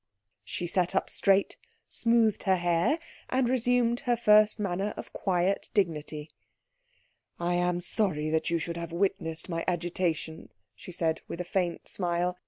She sat up straight, smoothed her hair, and resumed her first manner of quiet dignity. "I am sorry that you should have witnessed my agitation," she said, with a faint smile.